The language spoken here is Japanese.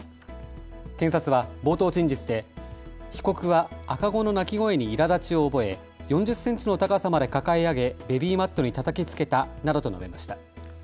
検察は冒頭陳述で被告は赤子の泣き声にいらだちを覚え４０センチの高さまで抱え上げベビーマットにたたきつけたなどと述べました。